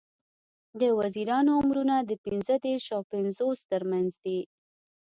د وزیرانو عمرونه د پینځه دیرش او پینځوس تر منځ دي.